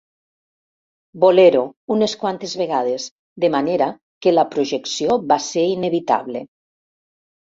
"bolero" unes quantes vegades, de manera que la projecció va ser inevitable.